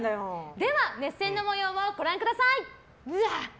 では熱戦の模様をご覧ください。